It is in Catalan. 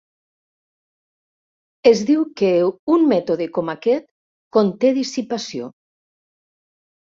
Es diu que un mètode com aquest conté dissipació.